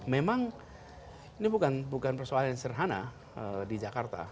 memang ini bukan persoalan yang serhana di jakarta